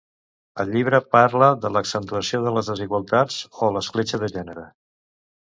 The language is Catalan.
El llibre parla de l'accentuació de les desigualtats o l'escletxa de gènere.